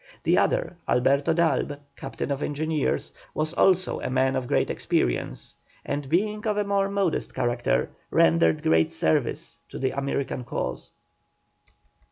The other, Alberto D'Albe, Captain of Engineers, was also a man of great experience, and being of a more modest character, rendered great service to the American cause.